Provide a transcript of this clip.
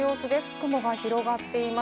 雲が広がっています。